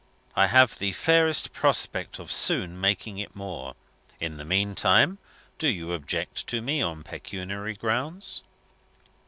I have the fairest prospect of soon making it more. In the meantime, do you object to me on pecuniary grounds?"